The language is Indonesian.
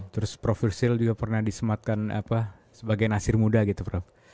terus profil juga pernah disematkan sebagai nasir muda gitu prof